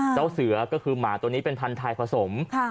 เจ้าเสือก็คือหมาตัวนี้เป็นพันธุ์ไทยผสม